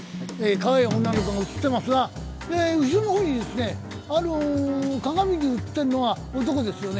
かわいい女の子が写っていますが、後ろの方に、鏡に映っているのは男ですよね。